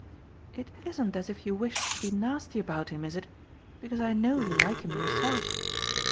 "It isn't as if you wished to be nasty about him, is it? because I know you like him yourself.